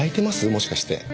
もしかして。